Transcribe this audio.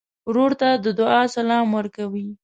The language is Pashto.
ورور ته د دعا سلام ورکوې.